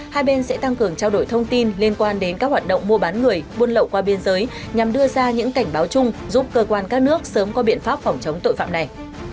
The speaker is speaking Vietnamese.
hai bên sẽ tăng cường trao đổi thông tin liên quan đến các hoạt động mua bán người buôn lậu qua biên giới nhằm đưa ra những cảnh báo chung giúp cơ quan các nước sớm có biện pháp phòng chống tội phạm này